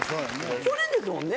去年ですもんね？